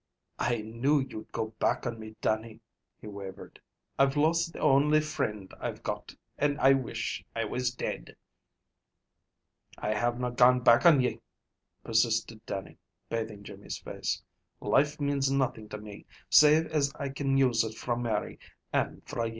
"I knew you'd go back on me, Dannie," he wavered. "I've lost the only frind I've got, and I wish I was dead." "I havena gone back on ye," persisted Dannie, bathing Jimmy's face. "Life means nothing to me, save as I can use it fra Mary, and fra ye.